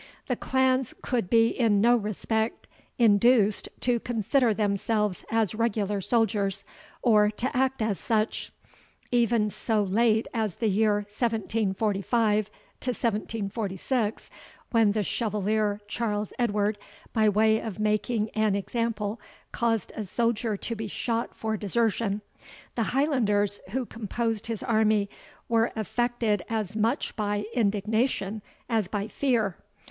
The clans could be in no respect induced to consider themselves as regular soldiers, or to act as such. Even so late as the year 1745 6, when the Chevalier Charles Edward, by way of making an example, caused a soldier to be shot for desertion, the Highlanders, who composed his army, were affected as much by indignation as by fear.